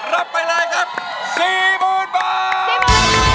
รับไปเลยครับศีมูลบอส